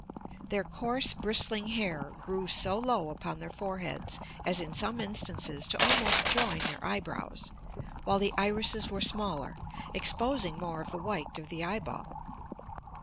Their coarse, bristling hair grew so low upon their foreheads as, in some instances, to almost join their eyebrows, while the irises were smaller, exposing more of the white of the eyeball.